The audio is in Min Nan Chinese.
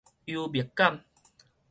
幽默感